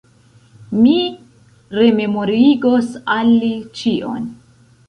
Mi rememorigos al li ĉion!